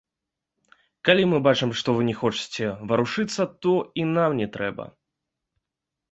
Калі мы бачым, што вы не хочаце варушыцца, то і нам не трэба.